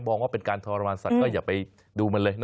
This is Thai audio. ว่าเป็นการทรมานสัตว์ก็อย่าไปดูมันเลยนะ